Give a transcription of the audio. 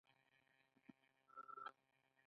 د وخت پېژندنه ډیره مهمه ده.